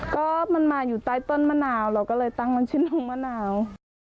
ก็มันมาอยู่ใต้ต้นมะนาวเราก็เลยตั้งมันชื่อน้องมะนาว